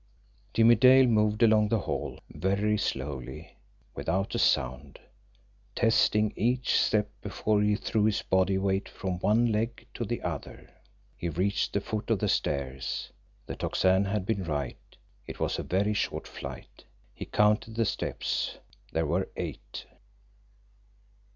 Jimmie Dale moved along the hall very slowly without a sound testing each step before he threw his body weight from one leg to the other. He reached the foot of the stairs. The Tocsin had been right; it was a very short flight. He counted the steps there were eight.